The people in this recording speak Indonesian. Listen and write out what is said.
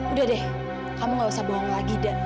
udah deh kamu enggak usah bohong lagi da